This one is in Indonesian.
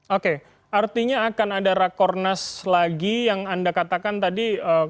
oke artinya akan ada rakornas lagi yang anda katakan tadi